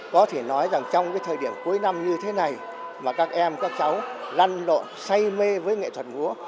có thể nói rằng trong cái thời điểm cuối năm như thế này mà các em các cháu lăn lộn say mê với nghệ thuật múa